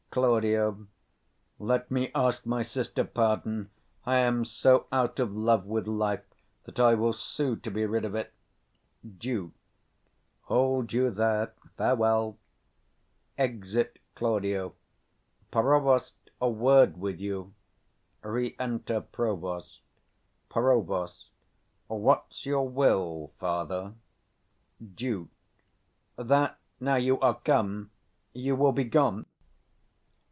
165 Claud. Let me ask my sister pardon. I am so out of love with life, that I will sue to be rid of it. Duke. Hold you there: farewell. [Exit Claudio.] Provost, a word with you! Re enter PROVOST. Prov. What's your will, father? 170 Duke. That now you are come, you will be gone.